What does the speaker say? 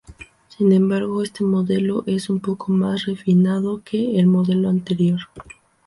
Sin embargo, este modelo es un poco más refinado que el modelo anterior.